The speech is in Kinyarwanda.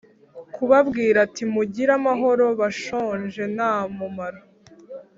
kubabwira ati mugire amahoro bashonje nta mumaro